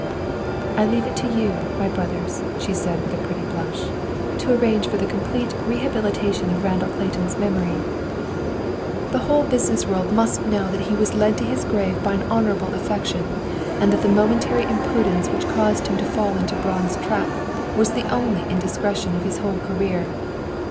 "I leave it to you, my brothers," she said, with a pretty blush, "to arrange for the complete rehabilitation of Randall Clayton's memory. "The whole business world must know that he was led to his grave by an honorable affection, and that the momentary imprudence which caused him to fall into Braun's trap was the only indiscretion of his whole career.